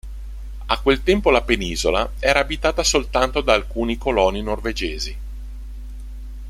A quel tempo la penisola era abitata soltanto da alcuni coloni norvegesi.